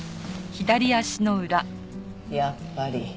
やっぱり。